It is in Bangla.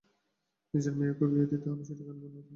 নিজের মেয়েকেও বিয়ে দিতে হবে সেটা কেন মনে থাকবে?